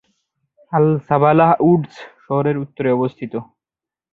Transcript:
আল-সাবালহ Woods শহরের উত্তরে অবস্থিত।